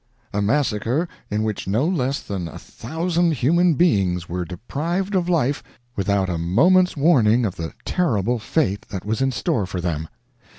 A massacre, in which no less than a thousand human beings were deprived of life without a moment's warning of the terrible fate that was in store for them.